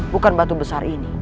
bukan batu besar ini